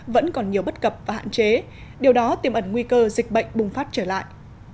vẫn còn nhiều bất cập và hạn chế điều đó tiêm ẩn nguy cơ dịch bệnh bùng phát trở lại